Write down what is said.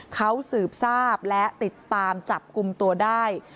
เขาสืบทราบและติดตามจับกลุ่มตัวได้